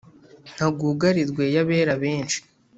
Ntagugarirwe yabera benshi